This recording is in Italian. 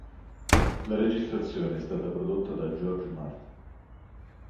La registrazione è stata prodotta da George Martin.